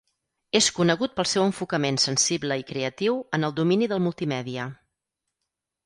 És conegut pel seu enfocament sensible i creatiu en el domini del multimèdia.